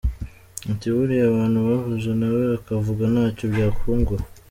Ati “ Buriya abantu bavuze nawe ukavuga ntacyo byakungura.